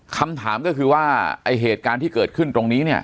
คำถามก็คือว่าไอ้เหตุการณ์ที่เกิดขึ้นตรงนี้เนี่ย